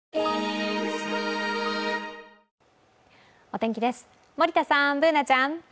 お天気です、森田さん、Ｂｏｏｎａちゃん。